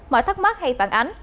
mọi thắc mắc hay phản ánh